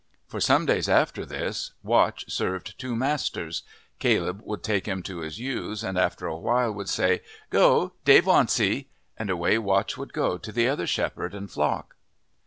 For some days after this Watch served two masters. Caleb would take him to his ewes, and after a while would say, "Go Dave wants 'ee," and away Watch would go to the other shepherd and flock.